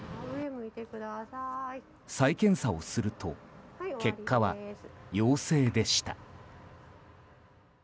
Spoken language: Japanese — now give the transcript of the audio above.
再検査をすると結果は陽性でした。